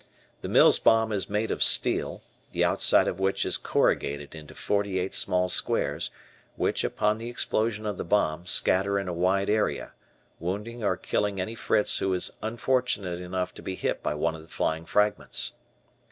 The Mills bomb is made of steel, the outside of which is corrugated into forty eight small squares which, upon the explosion of the bomb, scatter in a wide area, wounding or killing any Fritz who is unfortunate enough to be hit by one of the flying fragments.